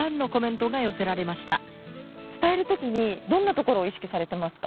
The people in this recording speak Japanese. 伝える時にどんなところを意識されてますか？